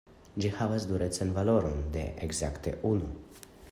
Ĝi havas durecan valoron de ekzakte unu.